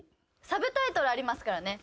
サブタイトルありますからね。